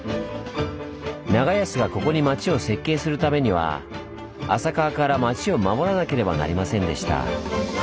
長安はここに町を設計するためには浅川から町を守らなければなりませんでした。